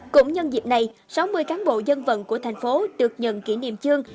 cũng nhân dịp này sáu mươi cán bộ dân vận của thành phố được nhận kỷ niệm chương